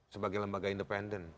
sebagai lembaga independen